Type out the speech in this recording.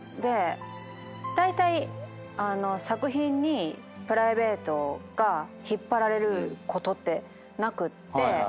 だいたい作品にプライベートが引っ張られることってなくって。